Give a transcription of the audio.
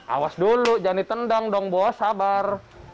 awas dulu jangan ditendang dong bos sabar